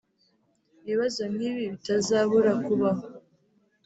ibibazo nk’ibi bitazabura kubaho